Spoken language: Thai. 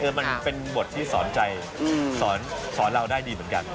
คือมันเป็นบทที่สอนใจสอนเราได้ดีเหมือนกัน